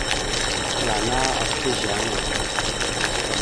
Kəla ana aftá izeama.